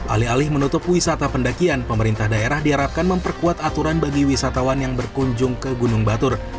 alih alih menutup wisata pendakian pemerintah daerah diharapkan memperkuat aturan bagi wisatawan yang berkunjung ke gunung batur